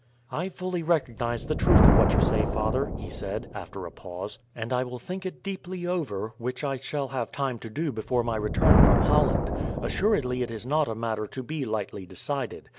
"I fully recognize the truth of what you say, father," he said, after a pause, "and will think it deeply over, which I shall have time to do before my return from Holland. Assuredly it is not a matter to be lightly decided.